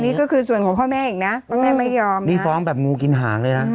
นี่ก็คือส่วนของพ่อแม่อีกนะเพราะแม่ไม่ยอมนี่ฟ้องแบบงูกินหางเลยนะ